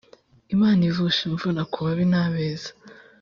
imana ivusha imvura kubabi na beza